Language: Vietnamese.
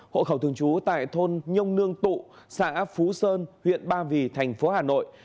hộ khẩu thường trú tại thôn nhông nương tụ xã phú sơn huyện ba vì thành phố hà nội